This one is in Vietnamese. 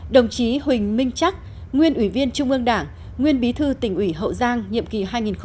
hai đồng chí huỳnh minh trắc nguyên ủy viên trung ương đảng nguyên bí thư tỉnh ủy hậu giang nhiệm kỳ hai nghìn một mươi hai nghìn một mươi năm